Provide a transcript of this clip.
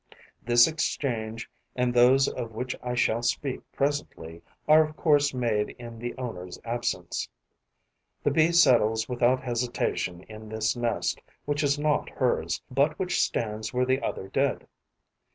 This exchange and those of which I shall speak presently are of course made in the owner's absence. The Bee settles without hesitation in this nest which is not hers, but which stands where the other did.